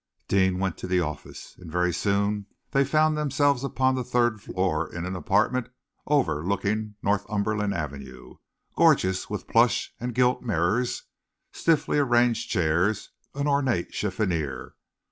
Deane went to the office, and very soon they found themselves upon the third floor, in an apartment overlooking Northumberland Avenue, gorgeous with plush and gilt mirrors, stiffly arranged chairs, an ornate chiffonnier.